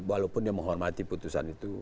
walaupun yang menghormati putusan itu